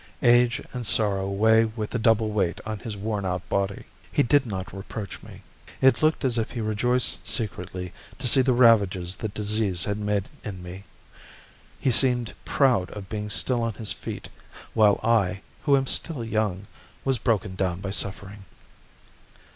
Age and sorrow weigh with a double weight on his worn out body. He did not reproach me. It looked as if he rejoiced secretly to see the ravages that disease had made in me. He seemed proud of being still on his feet, while I, who am still young, was broken down by suffering.